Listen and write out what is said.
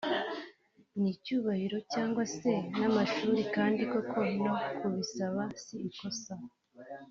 n'icyubahiro cyangwa se n'amashuri kandi koko no kubisaba si ikosa